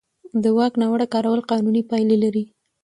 د واک ناوړه کارول قانوني پایلې لري.